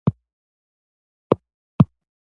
د زابل په ترنک کې د کرومایټ نښې شته.